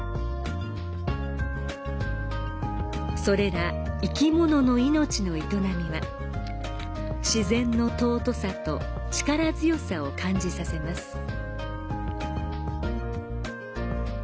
それら生き物の命の営みは、自然の尊さと力強さを感じさせます。